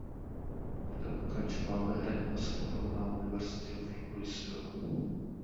Poté pokračoval ve hraní basketbalu na University of Louisville.